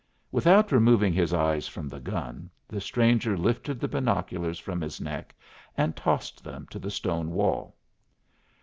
Without removing his eyes from the gun the stranger lifted the binoculars from his neck and tossed them to the stone wall.